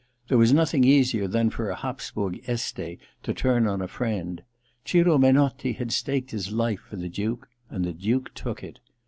There was nothing easier than for a Hapsburg Este to turn on a friend. Ciro Menotti had staked his life for the Duke — and the Duke took it.